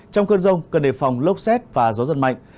trong cơn rông cần đề phòng lốc xét và gió giật mạnh